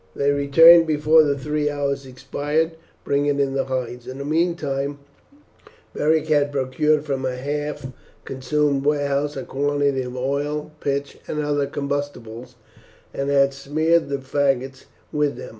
They returned before the three hours expired, bringing in the hides. In the meantime Beric had procured from a half consumed warehouse a quantity of oil, pitch, and other combustibles, and had smeared the faggots with them.